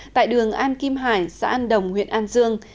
tại đường an kim hải xã an đồng huyện an dương